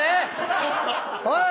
おい！